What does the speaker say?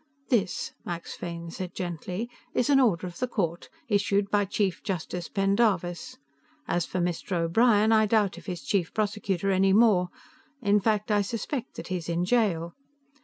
"This," Max Fane said gently, "is an order of the court, issued by Chief Justice Pendarvis. As for Mr. O'Brien, I doubt if he's Chief Prosecutor any more. In fact, I suspect that he's in jail.